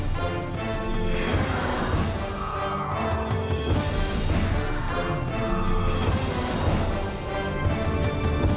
โปรดติดตามตอนต่อไป